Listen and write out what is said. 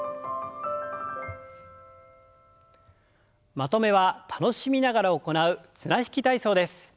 まとめは楽しみながら行う綱引き体操です。